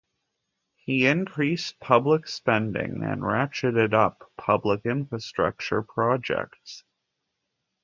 He increased public spending and ratcheted up public infrastructure projects.